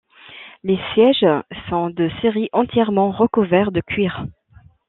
Les sièges sont, de série, entièrement recouverts de cuir.